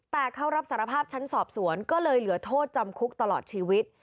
แต่เขารับสารภาพชั้นสอบสวนก็เลยเหลือโทษจำคุกตลอดชีวิต